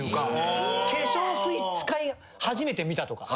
化粧水使い始めてみたとか。